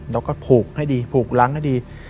แล้วก็ผูกให้ดีผูกล้างให้ดี